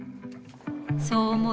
そう思い